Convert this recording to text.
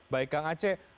baik kang aceh